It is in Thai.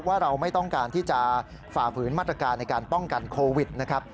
ว่าเราไม่ต้องการที่จะฝ่าฝืนมาตรการในการป้องกันโควิดนะครับ